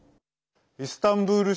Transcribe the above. イスタンブール